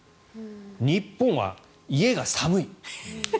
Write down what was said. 日本は家が寒い。